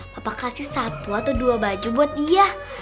papa kasih satu atau dua baju buat dia